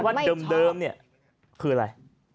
ไอ้คนว่าเดิมเนี่ยคืออะไร